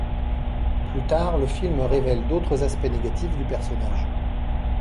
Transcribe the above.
Plus tard, le film révèle d'autres aspects négatifs du personnage.